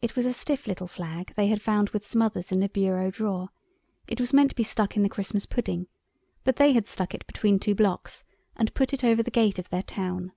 It was a stiff little flag they had found with some others in the bureau drawer; it was meant to be stuck in the Christmas pudding, but they had stuck it between two blocks and put it over the gate of their town.